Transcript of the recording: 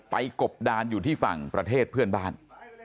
กบดานอยู่ที่ฝั่งประเทศเพื่อนบ้าน